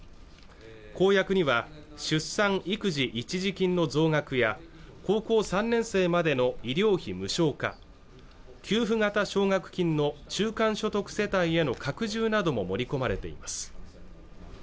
公約には出産育児一時金の増額や高校３年生までの医療費無償化給付型奨学金の中間所得世帯への拡充なども盛り込まれています